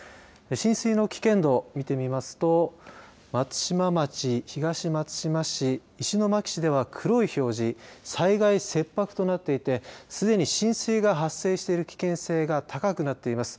浸水の危険度、見てみますと松島町、東松島市石巻市では黒い表示災害切迫となっていてすでに浸水が発生している危険性が高くなっています。